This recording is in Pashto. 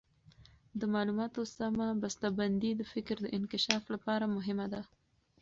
د معلوماتو سمه بسته بندي د فکر د انکشاف لپاره مهمه ده.